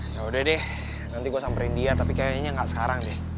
yaudah deh nanti gue samperin dia tapi kayaknya gak sekarang deh